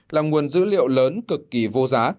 là nguồn dữ liệu lớn cực kỳ vô giá